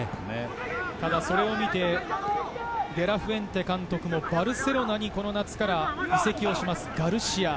ただそれを見て、デ・ラ・フエンテ監督もバルセロナにこの夏から移籍をしますガルシア。